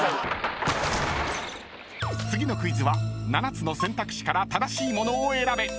［次のクイズは７つの選択肢から正しいものを選べ］